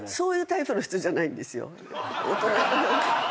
大人。